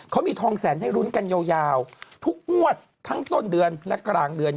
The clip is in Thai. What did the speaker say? เขามีทองแสนให้ลุ้นกันยาวทุกงวดทั้งต้นเดือนและกลางเดือน